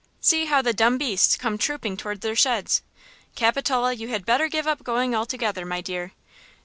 See how the dumb beasts come trooping toward their sheds! Capitola, you had better give up going altogether, my dear!"